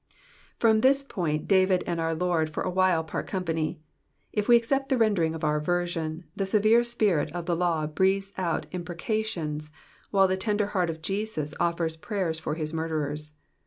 From this point David and our Lord for awhile part company, if we accept the rendering of our version. The severe spirit of the law breathes out impre cations, while the tender heart of Jesus offers prayers for his murderers.